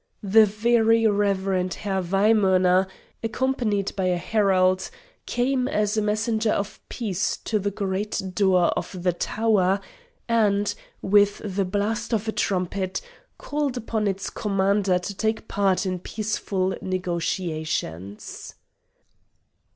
The Very Reverend Herr Waimœner, accompanied by a herald, came as a messenger of peace to the great door of the tower and, with the blast of a trumpet, called upon its commander to take part in peaceful negotiations.